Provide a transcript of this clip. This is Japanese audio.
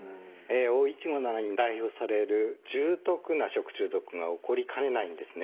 Ｏ１５７に代表される重篤な食中毒が起こりかねないんですね。